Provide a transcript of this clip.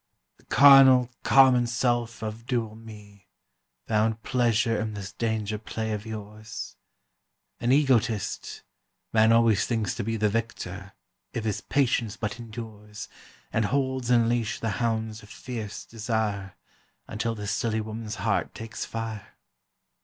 The carnal, common self of dual me Found pleasure in this danger play of yours. (An egotist, man always thinks to be The victor, if his patience but endures, And holds in leash the hounds of fierce desire, Until the silly woman's heart takes fire.)